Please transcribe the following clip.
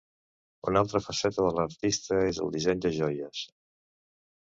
Una altra faceta de l'artista és el disseny de joies.